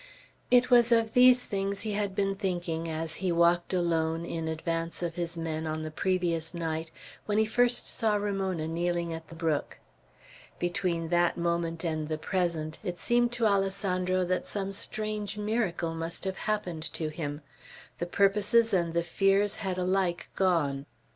It was of these things he had been thinking as be walked alone, in advance of his men, on the previous night, when he first saw Ramona kneeling at the brook. Between that moment and the present, it seemed to Alessandro that some strange miracle must have happened to him. The purposes and the fears had alike gone.